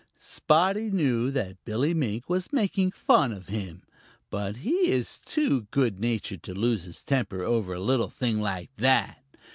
Spotty knew that Billy Mink was making fun of him, but he is too good natured to lose his temper over a little thing like that.